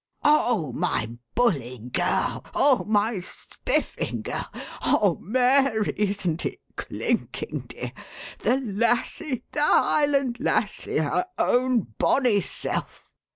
"Oh, my bully girl! Oh, my spiffing girl! Oh, Mary, isn't it clinking, dear? The Lassie the Highland Lassie her own bonny self."